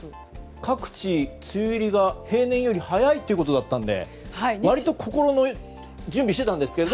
各地、梅雨入りが平年より早いということだったので割と心の準備をしていたんですけど。